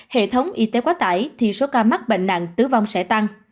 hệ thống y tế quá tải thì số ca mắc bệnh nạn tứ vong sẽ tăng